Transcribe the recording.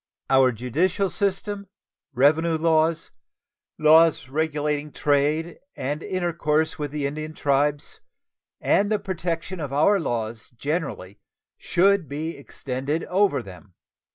Our judicial system, revenue laws, laws regulating trade and intercourse with the Indian tribes, and the protection of our laws generally should be extended over them.